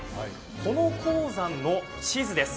この鉱山の地図です。